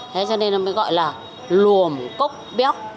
thế cho nên nó mới gọi là luồm cốc bióc